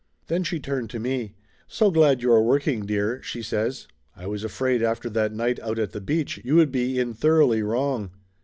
Then she turned to me. "So glad you are working, dear," she says. "I was afraid after that night out at the beach you would be in thoroughly wrong